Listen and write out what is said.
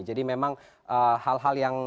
jadi memang hal hal yang